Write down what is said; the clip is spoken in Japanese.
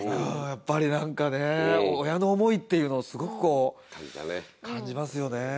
やっぱりなんかね親の思いっていうのをすごくこう感じますよね。